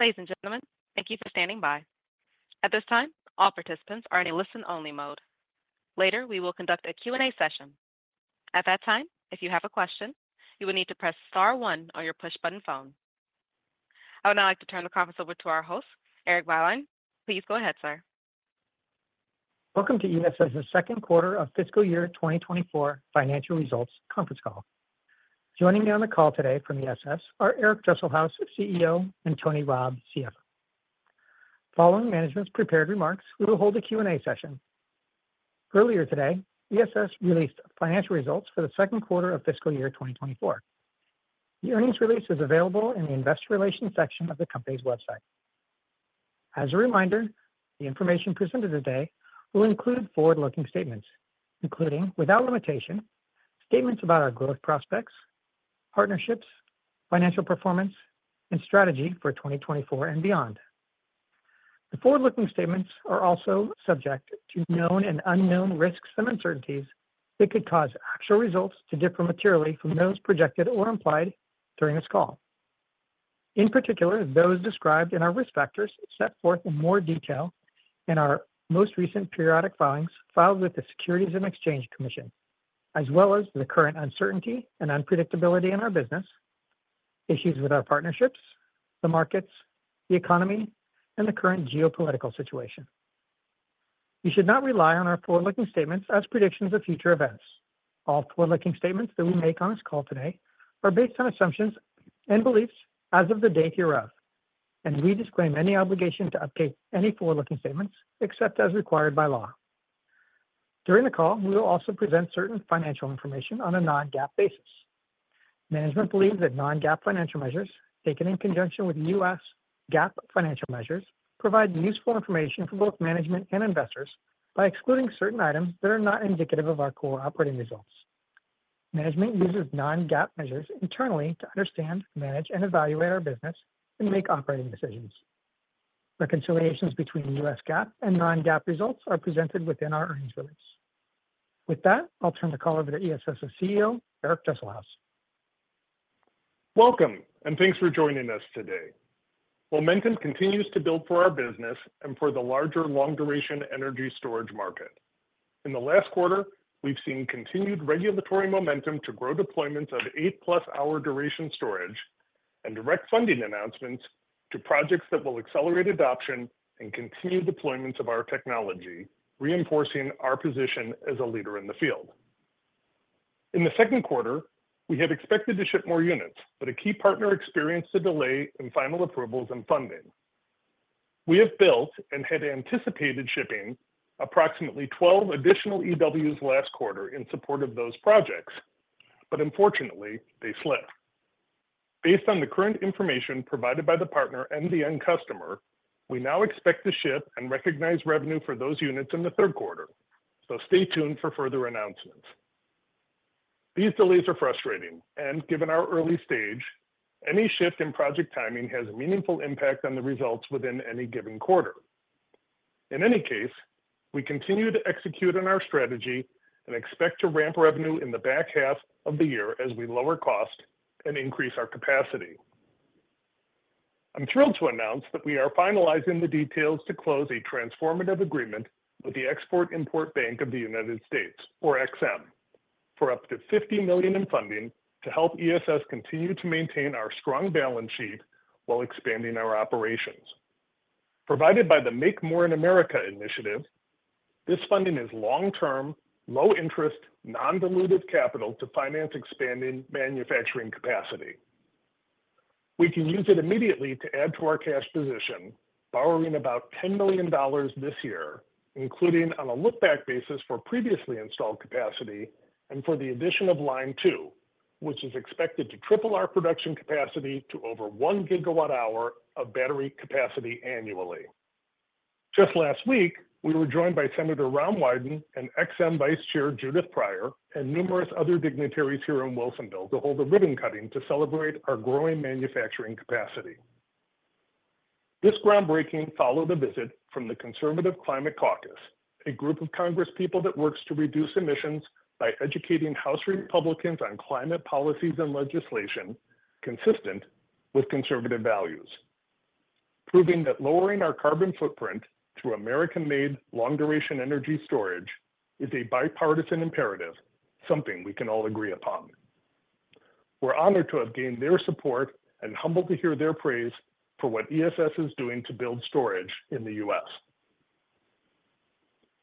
Ladies and gentlemen, thank you for standing by. At this time, all participants are in a listen-only mode. Later, we will conduct a Q&A session. At that time, if you have a question, you will need to press star one on your push-button phone. I would now like to turn the conference over to our host, Erik Bylin. Please go ahead, sir. Welcome to ESS's second quarter of fiscal year 2024 financial results conference call. Joining me on the call today from ESS are Eric Dresselhuys, CEO, and Tony Rabb, CFO. Following management's prepared remarks, we will hold a Q&A session. Earlier today, ESS released financial results for the second quarter of fiscal year 2024. The earnings release is available in the Investor Relations section of the company's website. As a reminder, the information presented today will include forward-looking statements, including, without limitation, statements about our growth prospects, partnerships, financial performance, and strategy for 2024 and beyond. The forward-looking statements are also subject to known and unknown risks and uncertainties that could cause actual results to differ materially from those projected or implied during this call. In particular, those described in our risk factors set forth in more detail in our most recent periodic filings, filed with the Securities and Exchange Commission, as well as the current uncertainty and unpredictability in our business, issues with our partnerships, the markets, the economy, and the current geopolitical situation. You should not rely on our forward-looking statements as predictions of future events. All forward-looking statements that we make on this call today are based on assumptions and beliefs as of the date hereof, and we disclaim any obligation to update any forward-looking statements except as required by law. During the call, we will also present certain financial information on a non-GAAP basis. Management believes that non-GAAP financial measures, taken in conjunction with the U.S. GAAP financial measures, provide useful information for both management and investors by excluding certain items that are not indicative of our core operating results. Management uses non-GAAP measures internally to understand, manage, and evaluate our business and make operating decisions. Reconciliations between the U.S. GAAP and non-GAAP results are presented within our earnings release. With that, I'll turn the call over to ESS's CEO, Eric Dresselhuys. Welcome, and thanks for joining us today. Momentum continues to build for our business and for the larger long-duration energy storage market. In the last quarter, we've seen continued regulatory momentum to grow deployments of 8+ hour duration storage and direct funding announcements to projects that will accelerate adoption and continue deployment of our technology, reinforcing our position as a leader in the field. In the second quarter, we had expected to ship more units, but a key partner experienced a delay in final approvals and funding. We have built and had anticipated shipping approximately 12 additional EWs last quarter in support of those projects, but unfortunately, they slipped. Based on the current information provided by the partner and the end customer, we now expect to ship and recognize revenue for those units in the third quarter. So stay tuned for further announcements. These delays are frustrating, and given our early stage, any shift in project timing has a meaningful impact on the results within any given quarter. In any case, we continue to execute on our strategy and expect to ramp revenue in the back half of the year as we lower cost and increase our capacity. I'm thrilled to announce that we are finalizing the details to close a transformative agreement with the Export-Import Bank of the United States, or EXIM, for up to $50 million in funding to help ESS continue to maintain our strong balance sheet while expanding our operations. Provided by the Make More in America Initiative, this funding is long-term, low interest, non-dilutive capital to finance expanding manufacturing capacity. We can use it immediately to add to our cash position, borrowing about $10 million this year, including on a look-back basis for previously installed capacity and for the addition of line 2, which is expected to triple our production capacity to over 1 GWh of battery capacity annually. Just last week, we were joined by Senator Ron Wyden and EXIM Vice Chair, Judith Pryor, and numerous other dignitaries here in Wilsonville to hold a ribbon-cutting to celebrate our growing manufacturing capacity. This groundbreaking followed a visit from the Conservative Climate Caucus, a group of congresspeople that works to reduce emissions by educating House Republicans on climate policies and legislation consistent with conservative values, proving that lowering our carbon footprint through American-made long-duration energy storage is a bipartisan imperative, something we can all agree upon. We're honored to have gained their support and humbled to hear their praise for what ESS is doing to build storage in the U.S.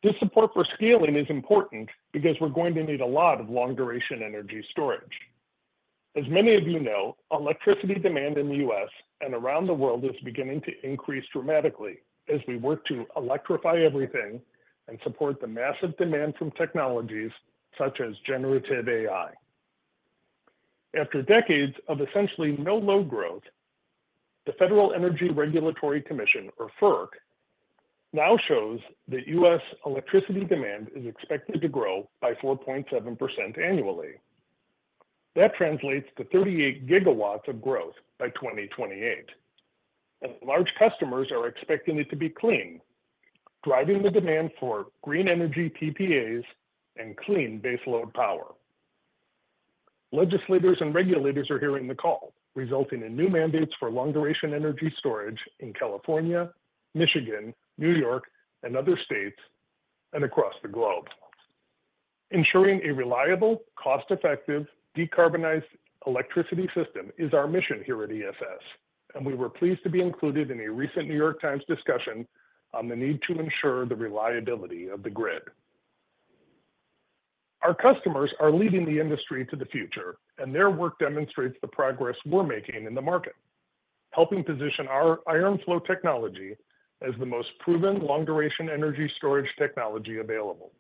This support for scaling is important because we're going to need a lot of long-duration energy storage. As many of you know, electricity demand in the U.S. and around the world is beginning to increase dramatically as we work to electrify everything and support the massive demand from technologies such as generative AI. After decades of essentially no load growth, the Federal Energy Regulatory Commission, or FERC, now shows that U.S. electricity demand is expected to grow by 4.7% annually. That translates to 38 GW of growth by 2028. And large customers are expecting it to be clean, driving the demand for green energy PPAs and clean base load power. Legislators and regulators are hearing the call, resulting in new mandates for long-duration energy storage in California, Michigan, New York, and other states, and across the globe. Ensuring a reliable, cost-effective, decarbonized electricity system is our mission here at ESS, and we were pleased to be included in a recent New York Times discussion on the need to ensure the reliability of the grid. Our customers are leading the industry to the future, and their work demonstrates the progress we're making in the market, helping position our iron flow technology as the most proven long-duration energy storage technology available.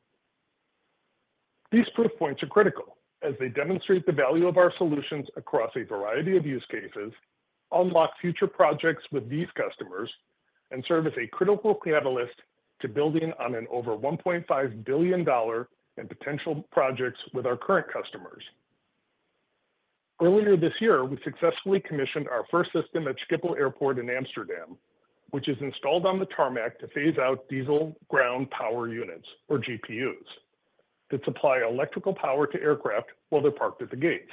These proof points are critical, as they demonstrate the value of our solutions across a variety of use cases, unlock future projects with these customers, and serve as a critical catalyst to building on an over $1.5 billion in potential projects with our current customers. Earlier this year, we successfully commissioned our first system at Schiphol Airport in Amsterdam, which is installed on the tarmac to phase out diesel ground power units, or GPUs, that supply electrical power to aircraft while they're parked at the gates.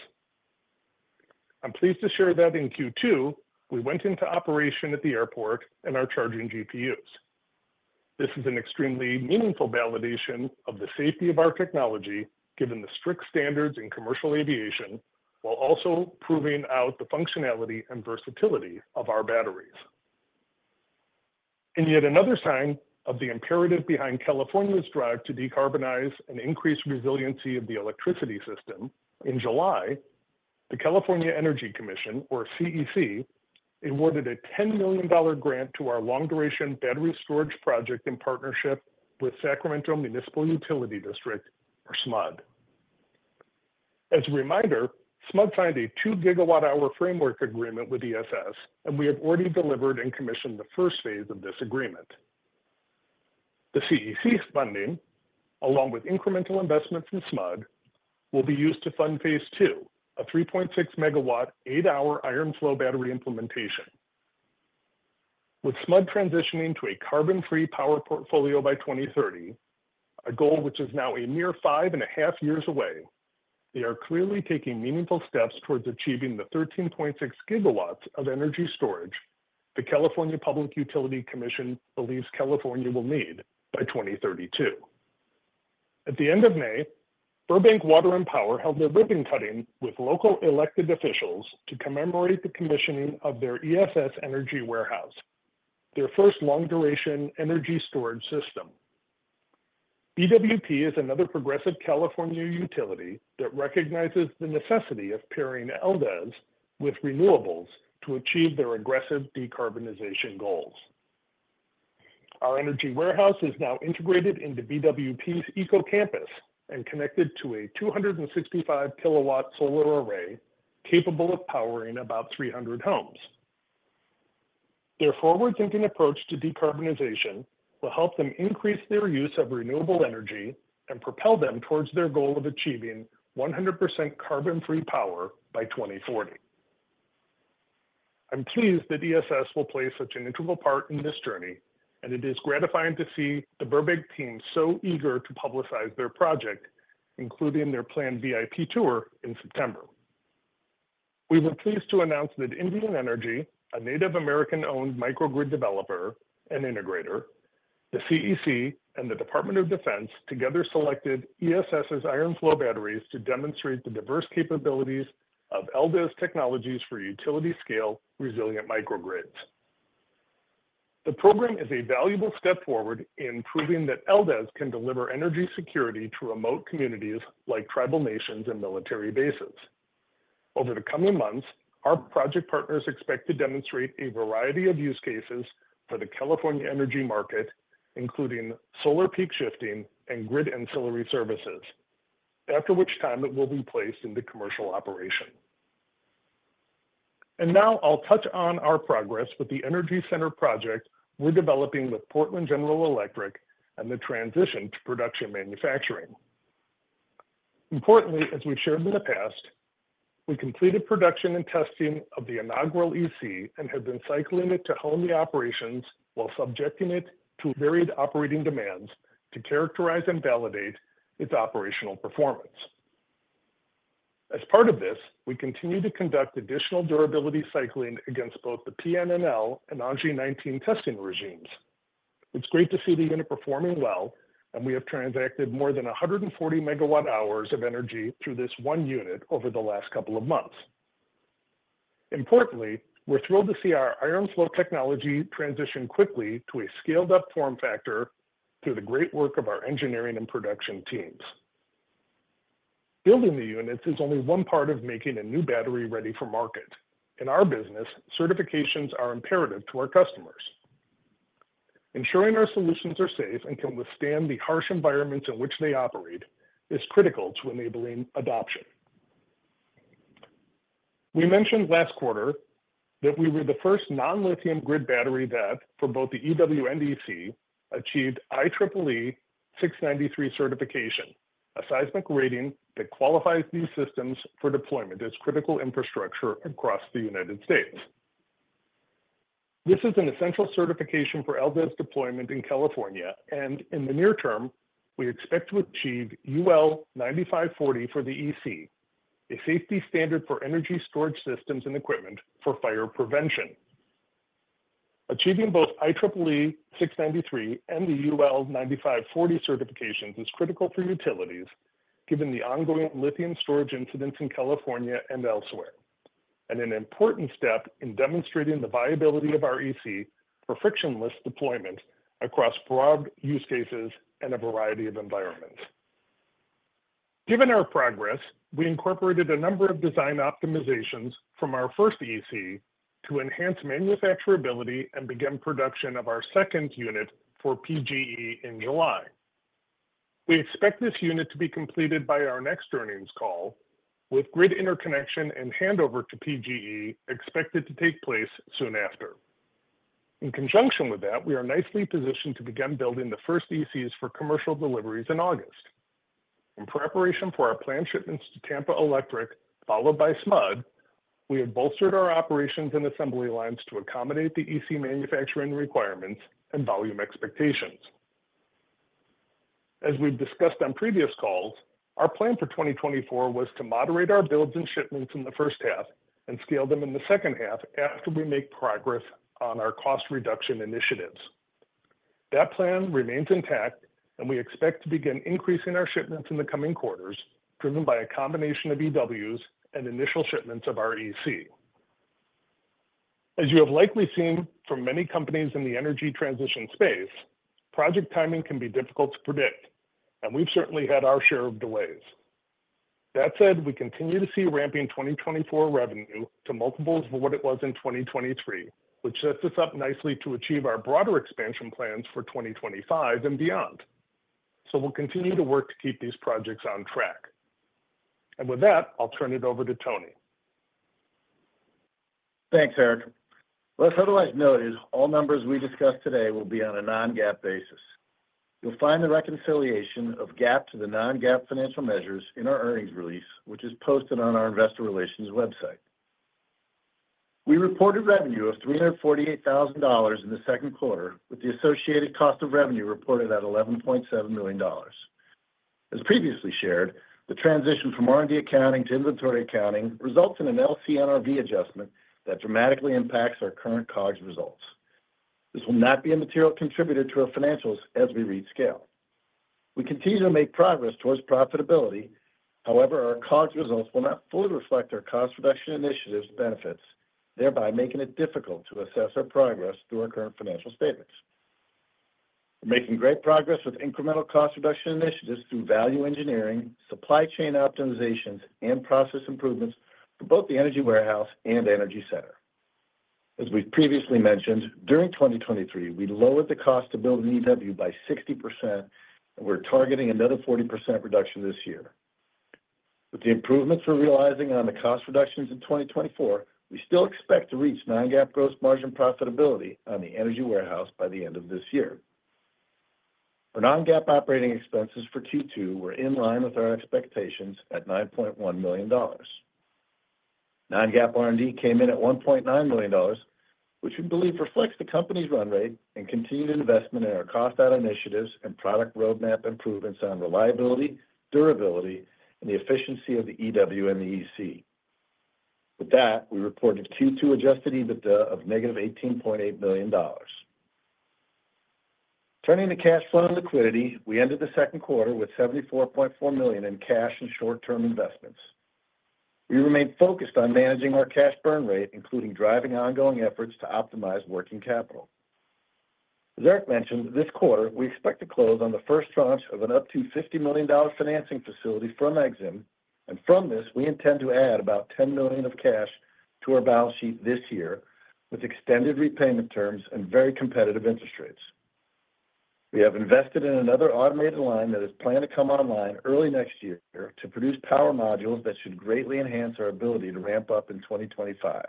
I'm pleased to share that in Q2, we went into operation at the airport and are charging GPUs. This is an extremely meaningful validation of the safety of our technology, given the strict standards in commercial aviation, while also proving out the functionality and versatility of our batteries. In yet another sign of the imperative behind California's drive to decarbonize and increase resiliency of the electricity system, in July, the California Energy Commission, or CEC, awarded a $10 million grant to our long-duration battery storage project in partnership with Sacramento Municipal Utility District, or SMUD. As a reminder, SMUD signed a 2 GWh framework agreement with ESS, and we have already delivered and commissioned the first phase of this agreement. The CEC's funding, along with incremental investments in SMUD, will be used to fund phase II, a 3.6 MW, 8-hr iron flow battery implementation. With SMUD transitioning to a carbon-free power portfolio by 2030, a goal which is now a mere 5.5 years away, they are clearly taking meaningful steps towards achieving the 13.6 GW of energy storage the California Public Utilities Commission believes California will need by 2032. At the end of May, Burbank Water and Power held their ribbon cutting with local elected officials to commemorate the commissioning of their ESS Energy Warehouse, their first long-duration energy storage system. BWP is another progressive California utility that recognizes the necessity of pairing LDES with renewables to achieve their aggressive decarbonization goals. Our energy warehouse is now integrated into BWP's EcoCampus and connected to a 265-kW solar array capable of powering about 300 homes. Their forward-thinking approach to decarbonization will help them increase their use of renewable energy and propel them towards their goal of achieving 100% carbon-free power by 2040. I'm pleased that ESS will play such an integral part in this journey, and it is gratifying to see the Burbank team so eager to publicize their project, including their planned VIP tour in September. We were pleased to announce that Indian Energy, a Native American-owned microgrid developer and integrator, the CEC, and the Department of Defense together selected ESS's iron flow batteries to demonstrate the diverse capabilities of LDES technologies for utility-scale, resilient microgrids. The program is a valuable step forward in proving that LDES can deliver energy security to remote communities like tribal nations and military bases. Over the coming months, our project partners expect to demonstrate a variety of use cases for the California energy market, including solar peak shifting and grid ancillary services, after which time it will be placed into commercial operation. Now I'll touch on our progress with the Energy Center project we're developing with Portland General Electric and the transition to production manufacturing. Importantly, as we've shared in the past, we completed production and testing of the inaugural EC and have been cycling it to hone the operations while subjecting it to varied operating demands to characterize and validate its operational performance. As part of this, we continue to conduct additional durability cycling against both the PNNL and OGNI 19 testing regimes. It's great to see the unit performing well, and we have transacted more than 140 megawatt-hours of energy through this one unit over the last couple of months. Importantly, we're thrilled to see our iron flow technology transition quickly to a scaled-up form factor through the great work of our engineering and production teams. Building the units is only one part of making a new battery ready for market. In our business, certifications are imperative to our customers. Ensuring our solutions are safe and can withstand the harsh environments in which they operate is critical to enabling adoption. We mentioned last quarter that we were the first non-lithium grid battery that, for both the EW and EC, achieved IEEE 693 certification, a seismic rating that qualifies these systems for deployment as critical infrastructure across the United States. This is an essential certification for LDES deployment in California, and in the near term, we expect to achieve UL 9540 for the EC, a safety standard for energy storage systems and equipment for fire prevention. Achieving both IEEE 693 and the UL 9540 certifications is critical for utilities, given the ongoing lithium storage incidents in California and elsewhere, and an important step in demonstrating the viability of our EC for frictionless deployment across broad use cases and a variety of environments. Given our progress, we incorporated a number of design optimizations from our first EC to enhance manufacturability and begin production of our second unit for PGE in July. We expect this unit to be completed by our next earnings call, with grid interconnection and handover to PGE expected to take place soon after. In conjunction with that, we are nicely positioned to begin building the first ECs for commercial deliveries in August. In preparation for our planned shipments to Tampa Electric, followed by SMUD, we have bolstered our operations and assembly lines to accommodate the EC manufacturing requirements and volume expectations. As we've discussed on previous calls, our plan for 2024 was to moderate our builds and shipments in the first half and scale them in the second half after we make progress on our cost reduction initiatives. That plan remains intact, and we expect to begin increasing our shipments in the coming quarters, driven by a combination of EWs and initial shipments of our EC. As you have likely seen from many companies in the energy transition space, project timing can be difficult to predict, and we've certainly had our share of delays. That said, we continue to see ramping 2024 revenue to multiples of what it was in 2023, which sets us up nicely to achieve our broader expansion plans for 2025 and beyond. We'll continue to work to keep these projects on track. With that, I'll turn it over to Tony. Thanks, Eric. Let's highlight that all numbers we discuss today will be on a non-GAAP basis. You'll find the reconciliation of GAAP to the non-GAAP financial measures in our earnings release, which is posted on our investor relations website. We reported revenue of $348,000 in the second quarter, with the associated cost of revenue reported at $11.7 million. As previously shared, the transition from R&D accounting to inventory accounting results in an LCNRV adjustment that dramatically impacts our current COGS results. This will not be a material contributor to our financials as we reach scale. We continue to make progress towards profitability. However, our COGS results will not fully reflect our cost reduction initiatives' benefits, thereby making it difficult to assess our progress through our current financial statements. We're making great progress with incremental cost reduction initiatives through value engineering, supply chain optimizations, and process improvements for both the Energy Warehouse and Energy Center. As we've previously mentioned, during 2023, we lowered the cost to build an EW by 60%, and we're targeting another 40% reduction this year. With the improvements we're realizing on the cost reductions in 2024, we still expect to reach non-GAAP gross margin profitability on the Energy Warehouse by the end of this year. Our non-GAAP operating expenses for Q2 were in line with our expectations at $9.1 million. Non-GAAP R&D came in at $1.9 million, which we believe reflects the company's run rate and continued investment in our cost out initiatives and product roadmap improvements on reliability, durability, and the efficiency of the EW and the EC. With that, we reported Q2 adjusted EBITDA of -$18.8 million. Turning to cash flow and liquidity, we ended the second quarter with $74.4 million in cash and short-term investments. We remain focused on managing our cash burn rate, including driving ongoing efforts to optimize working capital. As Eric mentioned, this quarter, we expect to close on the first tranche of an up to $50 million financing facility from EXIM, and from this, we intend to add about $10 million of cash to our balance sheet this year, with extended repayment terms and very competitive interest rates. We have invested in another automated line that is planned to come online early next year to produce power modules that should greatly enhance our ability to ramp up in 2025.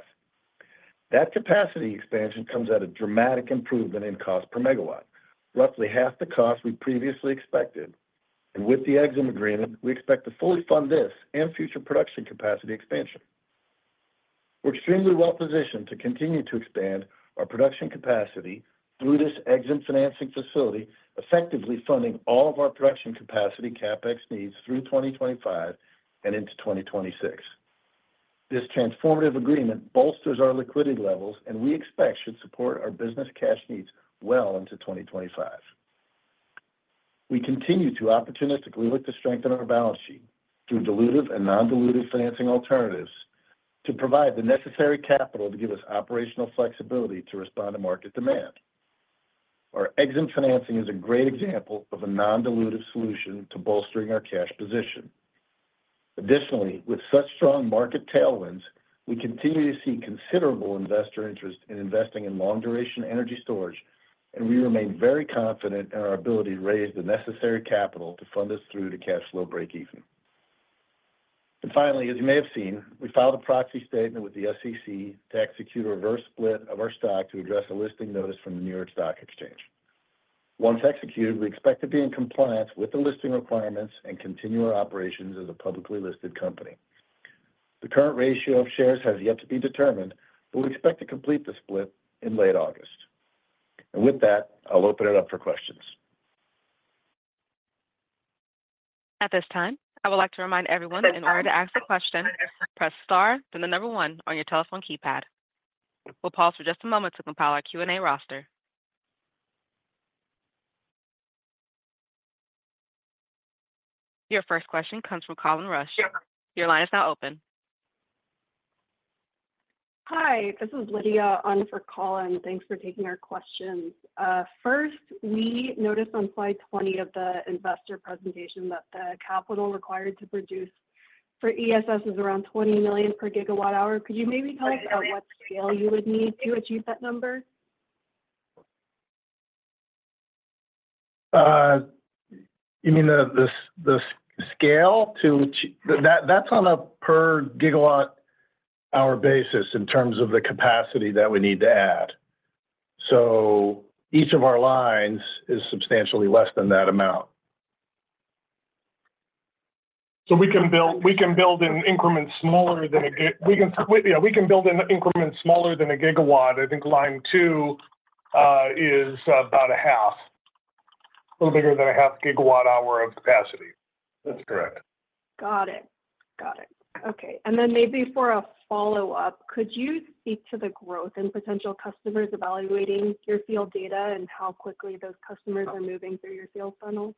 That capacity expansion comes at a dramatic improvement in cost per megawatt, roughly half the cost we previously expected, and with the EXIM agreement, we expect to fully fund this and future production capacity expansion. We're extremely well positioned to continue to expand our production capacity through this EXIM financing facility, effectively funding all of our production capacity CapEx needs through 2025 and into 2026. This transformative agreement bolsters our liquidity levels, and we expect should support our business cash needs well into 2025. We continue to opportunistically look to strengthen our balance sheet through dilutive and non-dilutive financing alternatives to provide the necessary capital to give us operational flexibility to respond to market demand. Our EXIM financing is a great example of a non-dilutive solution to bolstering our cash position. Additionally, with such strong market tailwinds, we continue to see considerable investor interest in investing in long-duration energy storage, and we remain very confident in our ability to raise the necessary capital to fund us through to cash flow breakeven. And finally, as you may have seen, we filed a proxy statement with the SEC to execute a reverse split of our stock to address a listing notice from the New York Stock Exchange. Once executed, we expect to be in compliance with the listing requirements and continue our operations as a publicly listed company. The current ratio of shares has yet to be determined, but we expect to complete the split in late August. And with that, I'll open it up for questions. At this time, I would like to remind everyone, in order to ask a question, press star, then the number one on your telephone keypad. We'll pause for just a moment to compile our Q&A roster. Your first question comes from Colin Rusch. Your line is now open. Hi, this is Lydia on for Colin. Thanks for taking our questions. First, we noticed on slide 20 of the investor presentation that the capital required to produce for ESS is around $20 million per GWh. Could you maybe tell us at what scale you would need to achieve that number? You mean the scale to ach—that, that's on a per GWh basis in terms of the capacity that we need to add. So each of our lines is substantially less than that amount. So we can build in increments smaller than a gigawatt. We can, yeah, we can build in increments smaller than a gigawatt. I think line two is about a half, a little bigger than a half gigawatt-hour of capacity. That's correct. Got it. Got it. Okay, and then maybe for a follow-up, could you speak to the growth in potential customers evaluating your field data and how quickly those customers are moving through your sales funnel?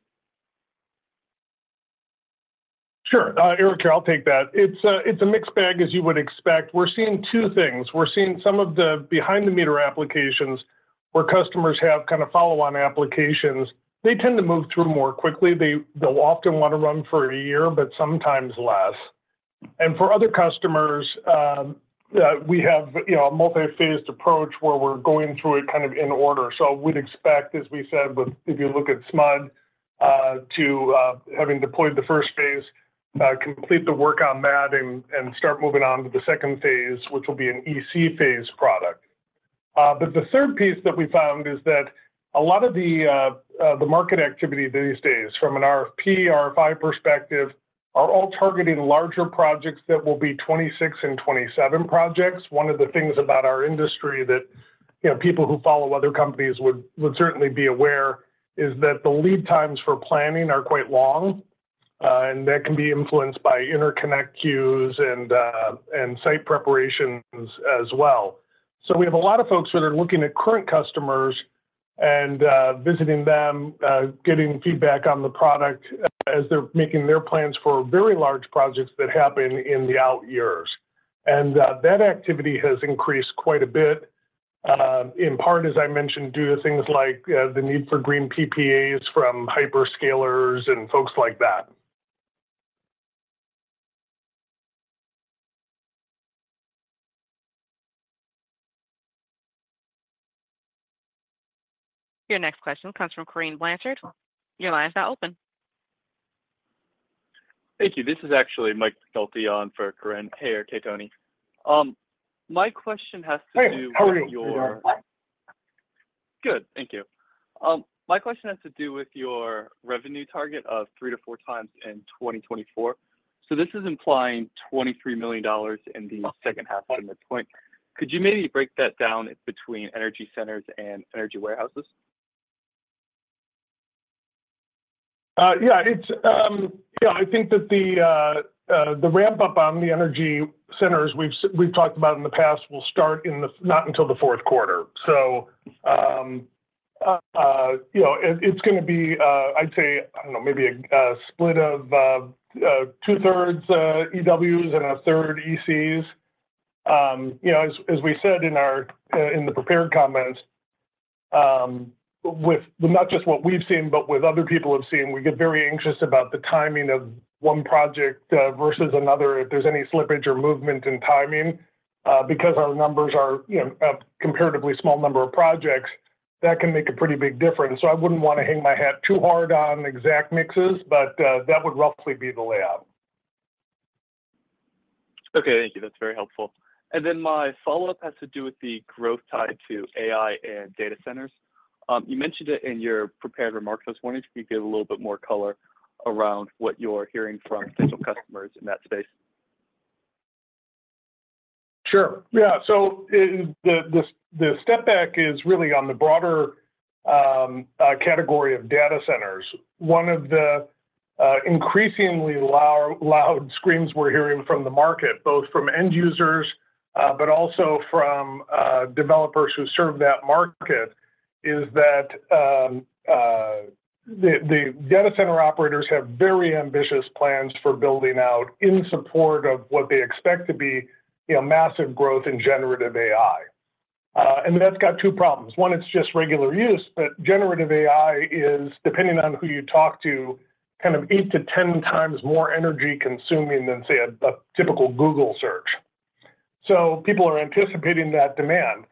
Sure. Eric I'll take that. It's a, it's a mixed bag, as you would expect. We're seeing two things. We're seeing some of the behind-the-meter applications, where customers have kind of follow-on applications. They tend to move through more quickly. They'll often want to run for a year, but sometimes less. And for other customers, we have, you know, a multi-phased approach, where we're going through it kind of in order. So we'd expect, as we said, with if you look at SMUD, having deployed the first phase, complete the work on that and start moving on to the second phase, which will be an EC phase product. But the third piece that we found is that a lot of the, the market activity these days, from an RFP, RFI perspective, are all targeting larger projects that will be 2026 and 2027 projects. One of the things about our industry that, you know, people who follow other companies would, would certainly be aware, is that the lead times for planning are quite long, and that can be influenced by interconnect queues and, and site preparations as well. So we have a lot of folks that are looking at current customers and, visiting them, getting feedback on the product as they're making their plans for very large projects that happen in the out years. That activity has increased quite a bit, in part, as I mentioned, due to things like the need for green PPAs from hyperscalers and folks like that. Your next question comes from Corinne Blanchard. Your line is now open. Thank you. This is actually Mike on for Corinne. Hey there, Tony. My question has to do with your- Hey, how are you? Good. Thank you. My question has to do with your revenue target of 3x-4x in 2024. So this is implying $23 million in the second half of the mid-point. Could you maybe break that down between Energy Centers and Energy Warehouses? Yeah, it's—yeah, I think that the ramp-up on the Energy Centers we've talked about in the past will start not until the fourth quarter. So, you know, it's gonna be, I'd say, I don't know, maybe a split of two-thirds EWs and a third ECs. You know, as we said in our in the prepared comments, with not just what we've seen, but with other people have seen, we get very anxious about the timing of one project versus another, if there's any slippage or movement in timing. Because our numbers are, you know, a comparatively small number of projects, that can make a pretty big difference. So I wouldn't want to hang my hat too hard on exact mixes, but, that would roughly be the layout. Okay, thank you. That's very helpful. And then my follow-up has to do with the growth tied to AI and data centers. You mentioned it in your prepared remarks. I was wondering if you could give a little bit more color around what you're hearing from potential customers in that space. Sure. Yeah. So the step back is really on the broader category of data centers. One of the increasingly loud screams we're hearing from the market, both from end users, but also from developers who serve that market, is that the data center operators have very ambitious plans for building out in support of what they expect to be, you know, massive growth in generative AI. And that's got two problems. One, it's just regular use, but generative AI is, depending on who you talk to, kind of 8x-10x more energy-consuming than, say, a typical Google search. So people are anticipating that demand.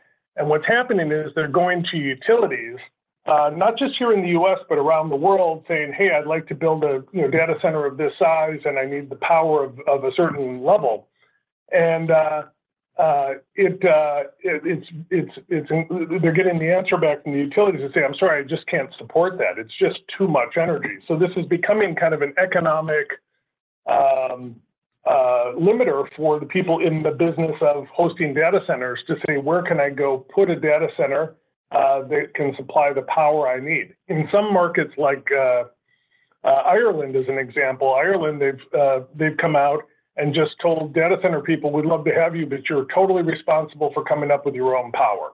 What's happening is they're going to utilities, not just here in the U.S., but around the world, saying, "Hey, I'd like to build a, you know, data center of this size, and I need the power of a certain level." And, It's they're getting the answer back from the utilities to say, "I'm sorry, I just can't support that. It's just too much energy." So this is becoming kind of an economic limiter for the people in the business of hosting data centers to say, "Where can I go put a data center that can supply the power I need?" In some markets, like Ireland as an example, they've come out and just told data center people, "We'd love to have you, but you're totally responsible for coming up with your own power."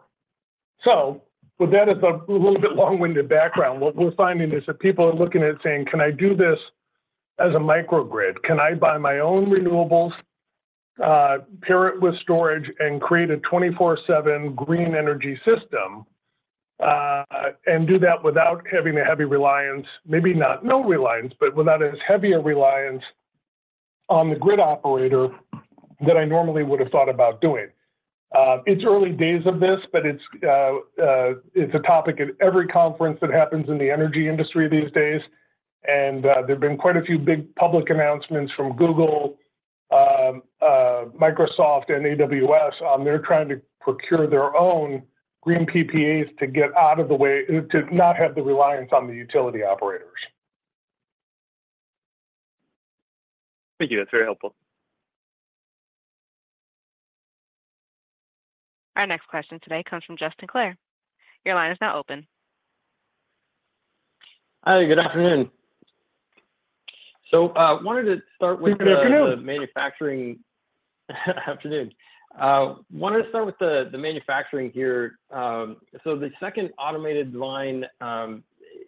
So with that as a little bit long-winded background, what we're finding is that people are looking at saying: Can I do this as a microgrid? Can I buy my own renewables, pair it with storage, and create a 24/7 green energy system, and do that without having a heavy reliance, maybe not no reliance, but without as heavy a reliance on the grid operator that I normally would have thought about doing? It's early days of this, but it's a topic at every conference that happens in the energy industry these days. There have been quite a few big public announcements from Google, Microsoft, and AWS on they're trying to procure their own green PPAs to get out of the way, to not have the reliance on the utility operators. Thank you. That's very helpful. Our next question today comes from Justin Clare. Your line is now open. Hi, good afternoon. So, wanted to start with the— Good afternoon. Manufacturing. Afternoon. Wanted to start with the manufacturing gear. So the second automated line,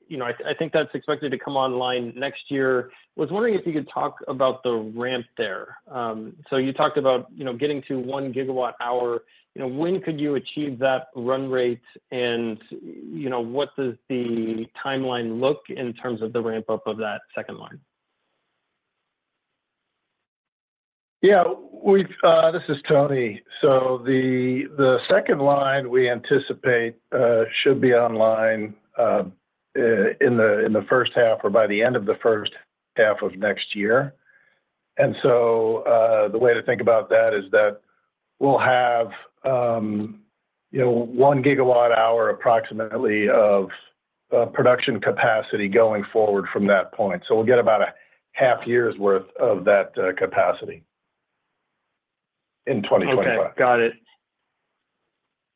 you know, I think that's expected to come online next year. Was wondering if you could talk about the ramp there. So you talked about, you know, getting to 1 GWh, you know, when could you achieve that run rate? And, you know, what does the timeline look in terms of the ramp-up of that second line? Yeah, we've—this is Tony. So the second line we anticipate in the first half or by the end of the first half of next year. And so, the way to think about that is that we'll have, you know, 1 GWh, approximately, of production capacity going forward from that point. So we'll get about a half year's worth of that capacity in 2025. Okay, got it.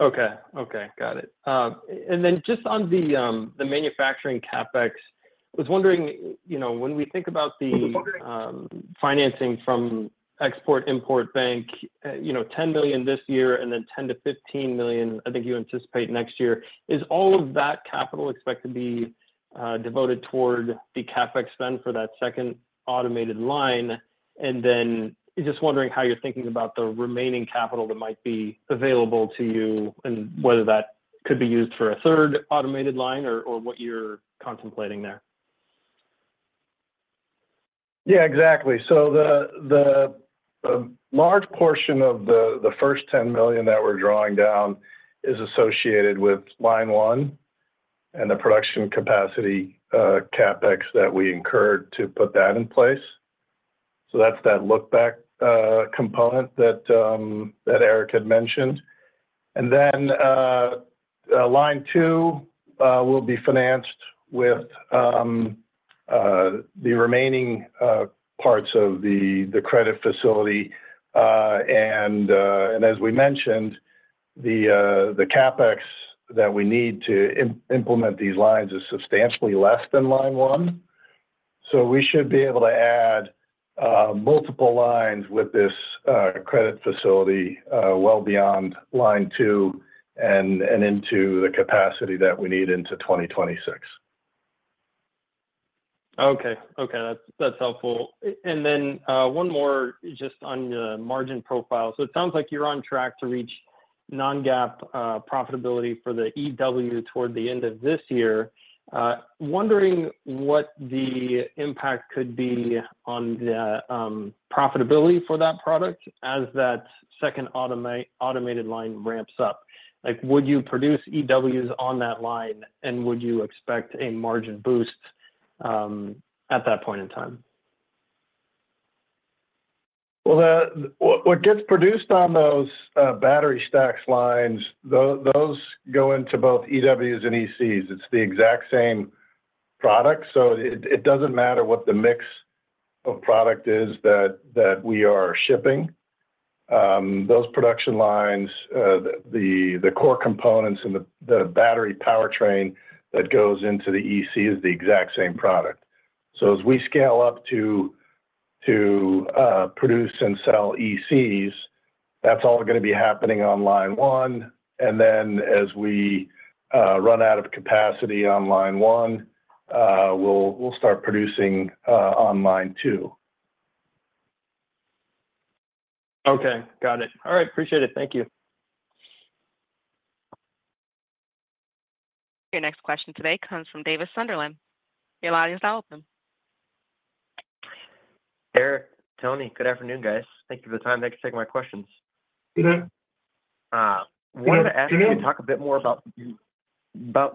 Okay. Okay, got it. And then just on the manufacturing CapEx, I was wondering, you know, when we think about the financing from Export-Import Bank, you know, $10 billion this year and then $10 million-$15 million, I think you anticipate next year, is all of that capital expected to be devoted toward the CapEx spend for that second automated line? And then just wondering how you're thinking about the remaining capital that might be available to you, and whether that could be used for a third automated line or what you're contemplating there. Yeah, exactly. So the large portion of the first $10 million that we're drawing down is associated with line one and the production capacity CapEx that we incurred to put that in place. So that's that lookback component that Eric had mentioned. And then line two will be financed with the remaining parts of the credit facility. And as we mentioned, the CapEx that we need to implement these lines is substantially less than line one, so we should be able to add multiple lines with this credit facility well beyond line two and into the capacity that we need into 2026. Okay. Okay, that's, that's helpful. And then, one more just on the margin profile. So it sounds like you're on track to reach non-GAAP profitability for the EW toward the end of this year. Wondering what the impact could be on the profitability for that product as that second automated line ramps up. Like, would you produce EWs on that line, and would you expect a margin boost at that point in time? Well, what gets produced on those battery stacks lines, those go into both EWs and ECs. It's the exact same product, so it doesn't matter what the mix of product is that we are shipping. Those production lines, the core components and the battery powertrain that goes into the EC is the exact same product. So as we scale up to produce and sell ECs, that's all gonna be happening on line one, and then as we run out of capacity on line one, we'll start producing on line two. Okay, got it. All right, appreciate it. Thank you. Your next question today comes from Davis Sunderland. Your line is now open. Eric, Tony, good afternoon, guys. Thank you for the time. Thank you for taking my questions. Good afternoon. I wanted to ask you to talk a bit more about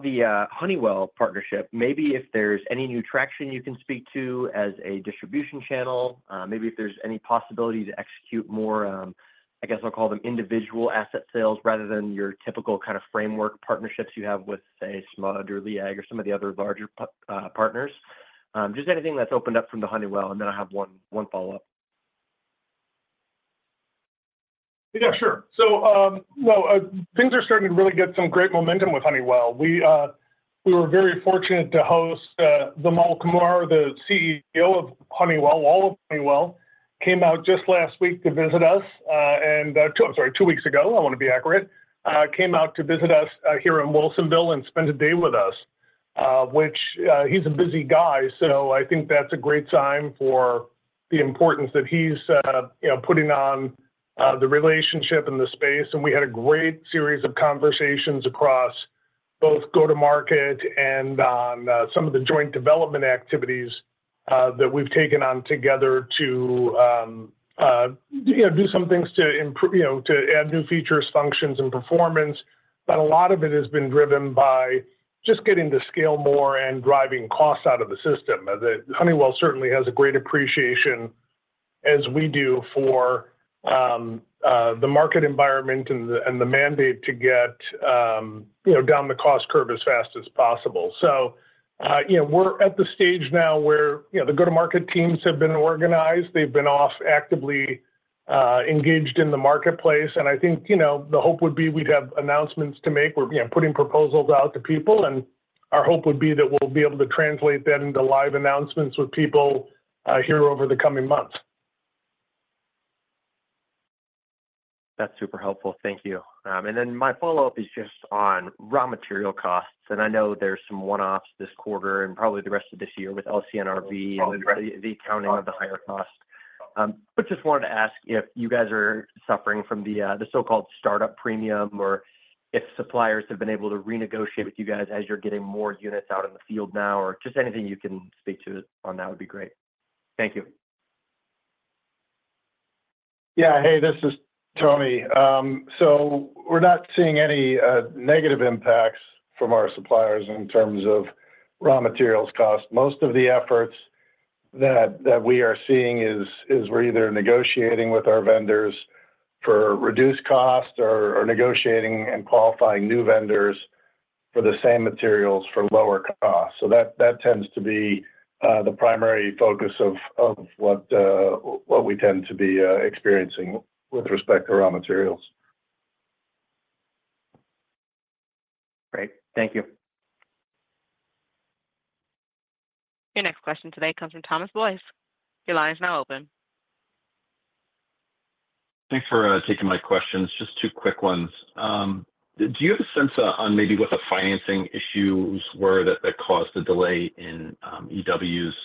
the Honeywell partnership. Maybe if there's any new traction you can speak to as a distribution channel, maybe if there's any possibility to execute more, I guess I'll call them individual asset sales, rather than your typical kind of framework partnerships you have with, say, SMUD or LEAG or some of the other larger partners. Just anything that's opened up from the Honeywell, and then I have one follow-up. Yeah, sure. So, well, things are starting to really get some great momentum with Honeywell. We, we were very fortunate to host, Vimal Kapur, the CEO of Honeywell. Honeywell came out just last week to visit us, and, I'm sorry, two weeks ago, I wanna be accurate. Came out to visit us, here in Wilsonville and spent a day with us. Which, he's a busy guy, so I think that's a great sign for the importance that he's, you know, putting on, the relationship and the space. And we had a great series of conversations across both go-to-market and on, some of the joint development activities, that we've taken on together to, you know, do some things to improve, you know, to add new features, functions, and performance. But a lot of it has been driven by just getting to scale more and driving costs out of the system. The Honeywell certainly has a great appreciation, as we do, for the market environment and the mandate to get, you know, down the cost curve as fast as possible. So, you know, we're at the stage now where, you know, the go-to-market teams have been organized. They've been off actively engaged in the marketplace, and I think, you know, the hope would be we'd have announcements to make. We're, you know, putting proposals out to people, and our hope would be that we'll be able to translate that into live announcements with people here over the coming months. That's super helpful. Thank you. And then my follow-up is just on raw material costs, and I know there's some one-offs this quarter, and probably the rest of this year with LCNRV— Oh, right. The accounting of the higher cost. But just wanted to ask if you guys are suffering from the so-called start-up premium, or if suppliers have been able to renegotiate with you guys as you're getting more units out in the field now, or just anything you can speak to on that would be great. Thank you. Yeah, hey, this is Tony. So we're not seeing any negative impacts from our suppliers in terms of raw materials cost. Most of the efforts that we are seeing is we're either negotiating with our vendors for reduced cost or negotiating and qualifying new vendors for the same materials for lower cost. So that tends to be the primary focus of what we tend to be experiencing with respect to raw materials. Great. Thank you. Your next question today comes from Thomas Boyes. Your line is now open. Thanks for taking my questions. Just two quick ones. Do you have a sense on maybe what the financing issues were that caused the delay in EW's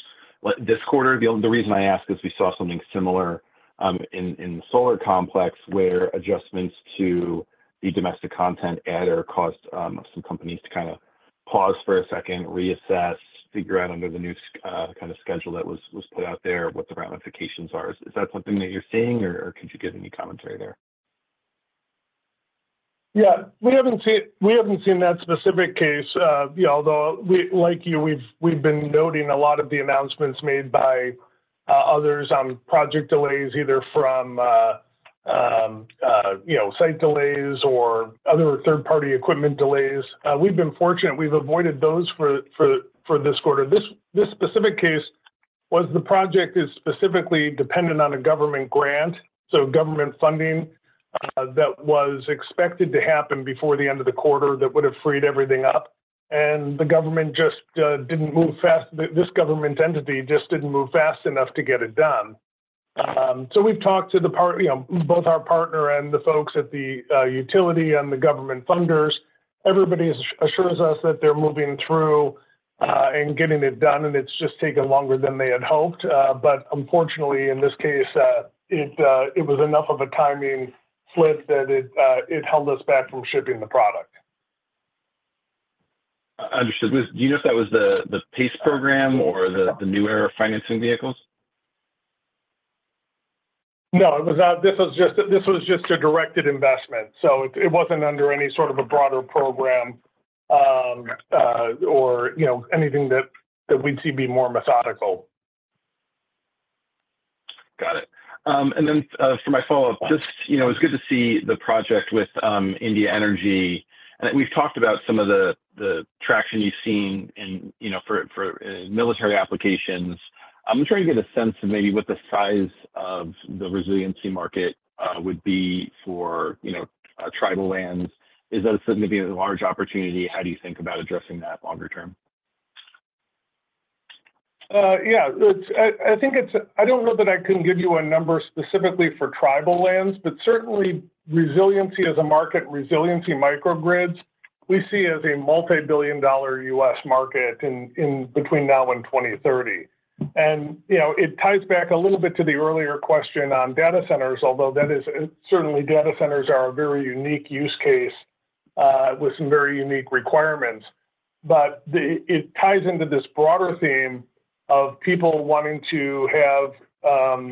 like this quarter? The reason I ask is we saw something similar in the solar complex, where adjustments to the domestic content adder caused some companies to kinda pause for a second, reassess, figure out under the new kinda schedule that was put out there, what the ramifications are. Is that something that you're seeing, or could you give any commentary there? Yeah, we haven't seen that specific case. You know, although we—like you, we've been noting a lot of the announcements made by you know, site delays or other third-party equipment delays. We've been fortunate. We've avoided those for this quarter. This specific case was the project is specifically dependent on a government grant, so government funding that was expected to happen before the end of the quarter, that would've freed everything up, and the government just didn't move fast. This government entity just didn't move fast enough to get it done. So we've talked to the partner, you know, both our partner and the folks at the utility and the government funders. Everybody assures us that they're moving through and getting it done, and it's just taken longer than they had hoped. But unfortunately, in this case, it was enough of a timing slip that it held us back from shipping the product. Understood. Do you know if that was the PACE program or the new era of financing vehicles? No, it was not. This was just a directed investment, so it wasn't under any sort of a broader program, or, you know, anything that we'd see be more methodical. Got it. And then, for my follow-up, just, you know, it's good to see the project with, Indian Energy. And we've talked about some of the, the traction you've seen in, you know, for, for, military applications. I'm trying to get a sense of maybe what the size of the resiliency market, would be for, you know, tribal lands. Is that a significantly large opportunity? How do you think about addressing that longer term? Yeah, I think it's—I don't know that I can give you a number specifically for tribal lands, but certainly resiliency as a market, resiliency microgrids, we see as a $ multi-billion U.S. market in between now and 2030. And, you know, it ties back a little bit to the earlier question on data centers, although that is certainly data centers are a very unique use case with some very unique requirements. But it ties into this broader theme of people wanting to have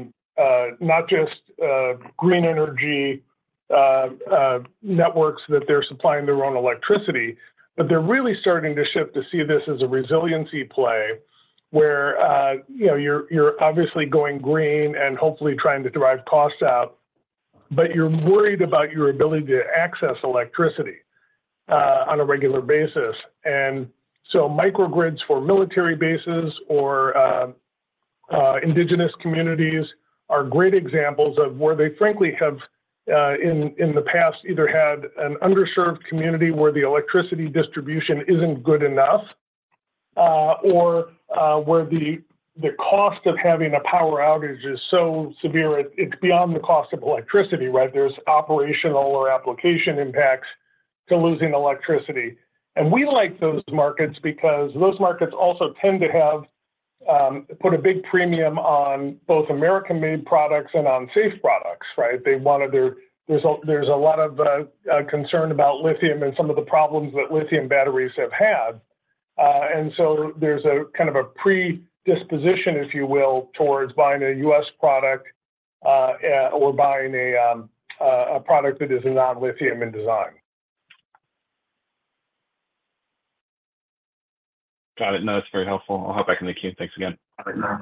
not just green energy networks that they're supplying their own electricity, but they're really starting to shift to see this as a resiliency play, where, you know, you're obviously going green and hopefully trying to drive costs out, but you're worried about your ability to access electricity on a regular basis. So microgrids for military bases or indigenous communities are great examples of where they frankly have in the past either had an underserved community where the electricity distribution isn't good enough or where the cost of having a power outage is so severe it's beyond the cost of electricity, right? There's operational or application impacts to losing electricity. And we like those markets because those markets also tend to have put a big premium on both American-made products and on safe products, right? They wanted their—there's a lot of concern about lithium and some of the problems that lithium batteries have had. And so there's a kind of a predisposition, if you will, towards buying a U.S. product or buying a product that is non-lithium in design. Got it. No, it's very helpful. I'll hop back in the queue. Thanks again.